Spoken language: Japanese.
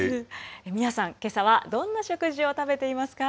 皆さん、けさはどんな食事を食べていますか。